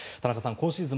今シーズン